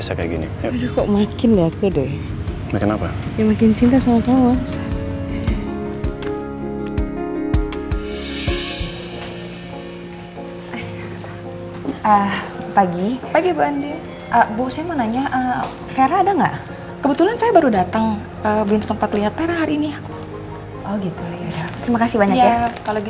sampai jumpa di video selanjutnya